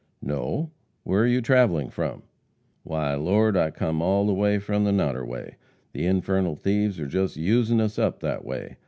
"No. Where are you travelling from?" "Why, Lord, I've come all the way from the Noderway. The infernal thieves are just usin' us up that way.